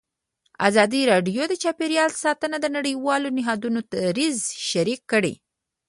ازادي راډیو د چاپیریال ساتنه د نړیوالو نهادونو دریځ شریک کړی.